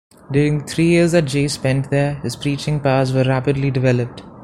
During the three years that Jay spent there, his preaching powers were rapidly developed.